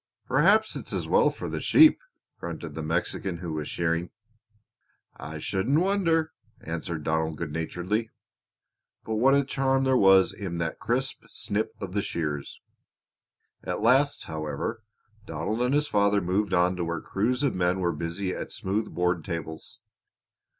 "Perhaps it's as well for the sheep!" grunted the Mexican who was shearing. [Illustration: "I'D LIKE TO TRY IT"] "I shouldn't wonder!" answered Donald good naturedly. But what a charm there was in that crisp snip of the shears! At last, however, Donald and his father moved on to where crews of men were busy at smooth board tables.